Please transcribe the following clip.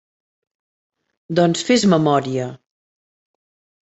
- Doncs fes memòria